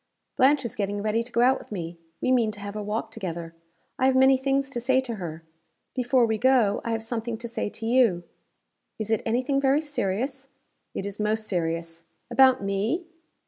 "Blanche is getting ready to go out with me. We mean to have a walk together. I have many things to say to her. Before we go, I have something to say to you." "Is it any thing very serious?" "It is most serious." "About me?"